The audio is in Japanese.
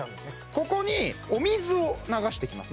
ここにお水を流していきます